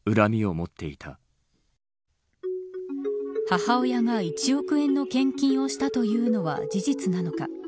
母親が１億円の献金をしたというのは事実なのか。